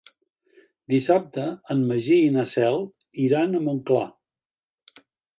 Dissabte en Magí i na Cel iran a Montclar.